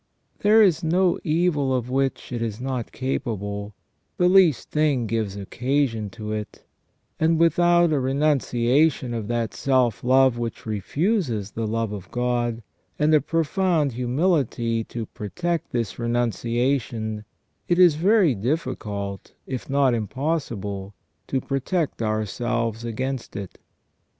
There is no evil of which it is not capable ; the least thing gives occasion to it ; and without a renunciation of that self love which refuses the love of God, and a profound humility to protect this renunciation, it is very difficult, if not impossible, to protect ourselves against it.